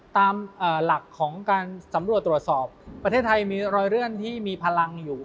ตามหลักของการสำรวจตรวจสอบประเทศไทยมีรอยเลื่อนที่มีพลังอยู่